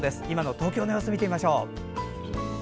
今の東京の様子、見てみましょう。